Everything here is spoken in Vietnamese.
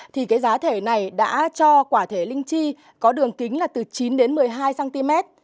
thì cái giá thể này đã cho quả thể linh chi có đường kính là từ chín đến một mươi hai cm